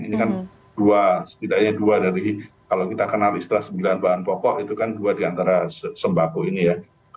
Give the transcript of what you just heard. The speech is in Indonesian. ini kan dua setidaknya dua dari kalau kita kenal istilah sembilan bahan pokok itu kan dua diantara sembako ini ya